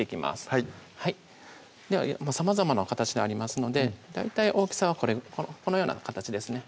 はいではさまざまな形がありますので大体大きさはこのような形ですね